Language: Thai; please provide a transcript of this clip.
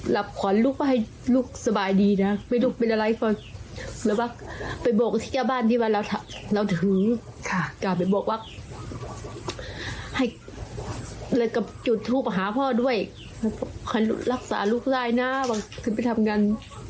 เหลือก็จุดทูปหาพ่อด้วยหารุทรรักษาลูกลายหน้าขึ้นไปทำการ